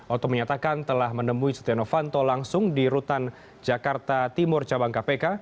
oto menyatakan telah menemui setia novanto langsung di rutan jakarta timur cabang kpk